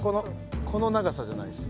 この長さじゃないです。